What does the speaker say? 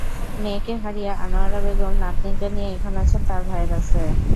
মেয়েকে হারিয়ে আনোয়ারা বেগম নাতনিকে নিয়ে এখন আছেন তাঁর ভাইয়ের আশ্রয়ে।